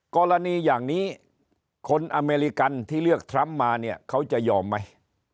กรณีอย่างนี้คนอเมริกันที่เลือกทรัมป์มาเนี่ยเขาจะยอมไหม